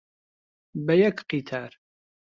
بە یەک قیتار،